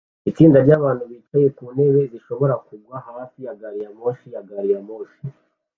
Itsinda ryabantu bicaye ku ntebe zishobora kugwa hafi ya gari ya moshi na gari ya moshi